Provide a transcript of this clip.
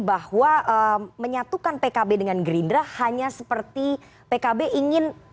bahwa menyatukan pkb dengan gerindra hanya seperti pkb ingin